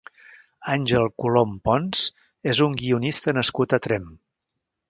Àngel Colom Pons és un guionista nascut a Tremp.